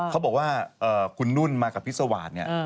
เขาบอกว่าคุณนุ่นมากับพิษวาสเนี่ย